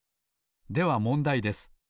ではもんだいです。